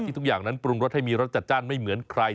ทุกอย่างนั้นปรุงรสให้มีรสจัดจ้านไม่เหมือนใคร